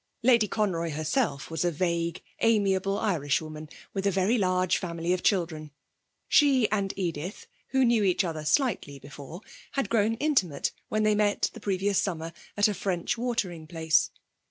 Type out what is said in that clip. Lady Conroy herself was a vague, amiable Irishwoman, with a very large family of children. She and Edith, who knew each other slightly before, had grown intimate when they met, the previous summer, at a French watering place.